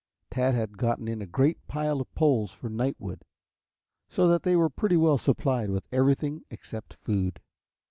Tad had gotten in a great pile of poles for night wood, so that they were pretty well supplied with everything except food.